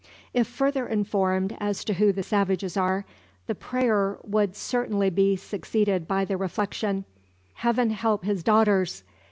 If further informed as to who the savages are, the prayer would sure be succeeded by the reflection "Heaven help his daughters!